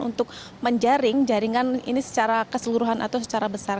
untuk menjaring jaringan ini secara keseluruhan atau secara besar